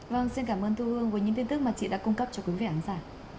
vâng xin cảm ơn thu hương với những tin tức mà chị đã cung cấp cho quý vị khán giả